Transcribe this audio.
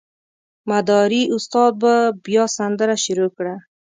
مداري استاد به بیا سندره شروع کړه.